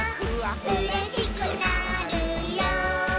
「うれしくなるよ」